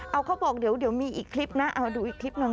เอาเขาบอกเดี๋ยวมีอีกคลิปนะเอาดูอีกคลิปหนึ่ง